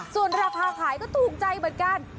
ส่วนราคาขายก็ถูกใจเหมือนกัน